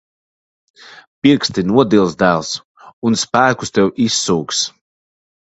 Pirksti nodils, dēls. Un spēkus tev izsūks.